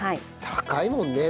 高いもんね